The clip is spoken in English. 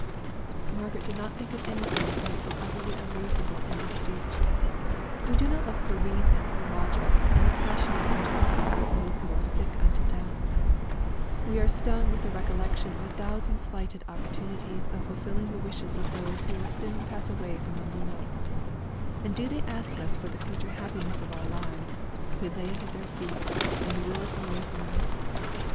Margaret did not think of anything that might be utterly unreasonable in this speech: we do not look for reason or logic in the passionate entreaties of those who are sick unto death; we are stung with the recollection of a thousand slighted opportunities of fulfilling the wishes of those who will soon pass away from among us: and do they ask us for the future happiness of our lives, we lay it at their feet, and will it away from us.